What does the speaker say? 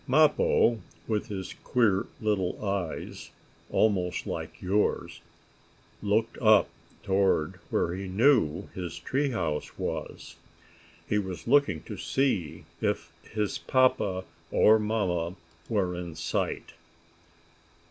Mappo, with his queer little eyes, almost like yours, looked up toward where he knew his tree house was. He was looking to see if his papa or mamma were in sight.